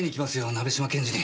鍋島検事に。